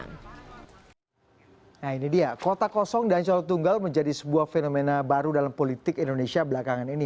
nah ini dia kota kosong dan calon tunggal menjadi sebuah fenomena baru dalam politik indonesia belakangan ini